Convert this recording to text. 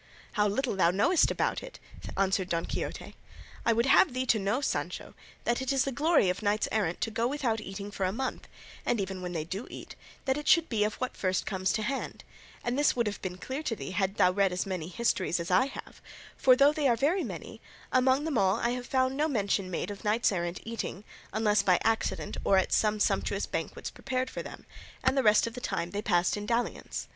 "How little thou knowest about it," answered Don Quixote; "I would have thee to know, Sancho, that it is the glory of knights errant to go without eating for a month, and even when they do eat, that it should be of what comes first to hand; and this would have been clear to thee hadst thou read as many histories as I have, for, though they are very many, among them all I have found no mention made of knights errant eating, unless by accident or at some sumptuous banquets prepared for them, and the rest of the time they passed in dalliance.